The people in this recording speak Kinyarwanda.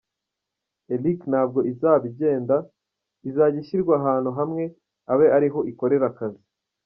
Elliq ntabwo izaba igenda, izajya ishyirwa ahantu hamwe abe ariho ikorera akazi.